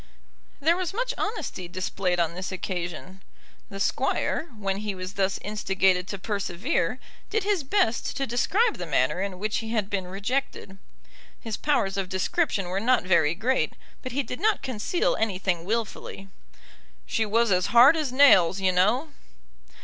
There was much honesty displayed on this occasion. The Squire, when he was thus instigated to persevere, did his best to describe the manner in which he had been rejected. His powers of description were not very great, but he did not conceal anything wilfully. "She was as hard as nails, you know."